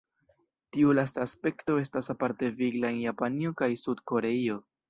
Tiu lasta aspekto estas aparte vigla en Japanio kaj Sud-Koreio.